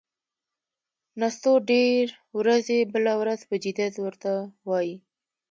نستوه ډېر ورځي، بله ورځ پهٔ جدیت ور ته وايي: